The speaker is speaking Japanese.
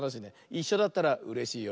いっしょだったらうれしいよ。